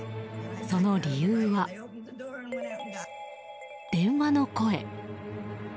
その理由は電話の声。